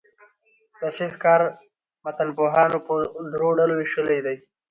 د تصحیح کار متنپوهانو په درو ډلو ویشلی دﺉ.